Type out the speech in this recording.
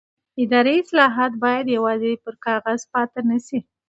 اداري اصلاحات باید یوازې پر کاغذ پاتې نه شي